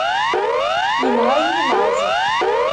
Inɣa-yi laẓ.